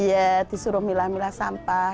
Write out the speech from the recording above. iya disuruh milah milah sampah